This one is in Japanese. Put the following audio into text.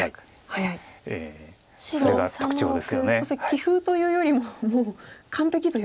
棋風というよりももう完璧という感じ。